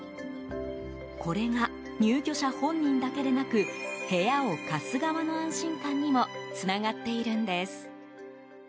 これが、入居者本人だけでなく部屋を貸す側の安心感にもつながっているんです。